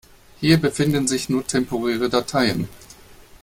Hier befinden sich nur temporäre Dateien.